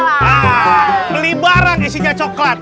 ah beli barang isinya coklat